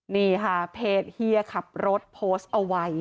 นี่ค่ะเพจเฮียขับรถโพสต์เอาไว้